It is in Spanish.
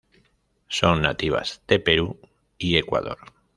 Son nativas de Perú y Ecuador.